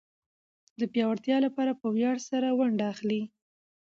د پياوړتيا لپاره په وياړ سره ونډه اخلي.